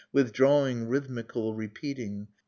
Withdrawing rhythmical, repeating.